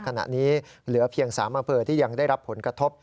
ขณะนี้เหลือเพียง๓อำเภอที่ยังได้รับผลกระทบ